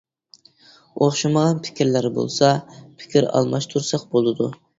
ئوخشىمىغان پىكىرلەر بولسا، پىكىر ئالماشتۇرساق بولىدۇ.